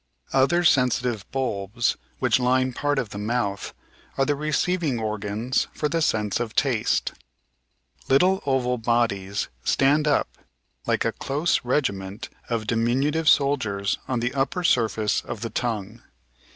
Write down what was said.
Other sensitive bulbs, which line part of the mouth, are the receiving organs for the sense of taste. Little oval bodies stand up like a close regiment of diminutive soldiers on the upper sur face of the tongue.